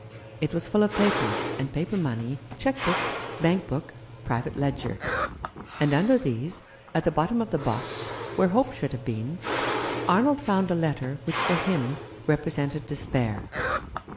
It was full of papers, and paper money, cheque book, bank book, private ledger ; and underneath these, at the bottom of the box, where hope should have been, Arnold found a letter which for him represented despair.